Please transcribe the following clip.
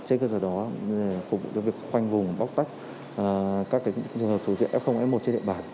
trên cơ sở đó phục vụ cho việc khoanh vùng bóc tách các trường hợp thuộc diện f f một trên địa bàn